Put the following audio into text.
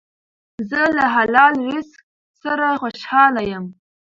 زه له حلال رزق سره خوشحاله یم.